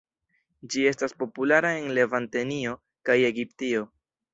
Ĝi estas populara en Levantenio kaj Egiptio.